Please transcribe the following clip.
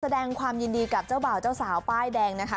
แสดงความยินดีกับเจ้าบ่าวเจ้าสาวป้ายแดงนะคะ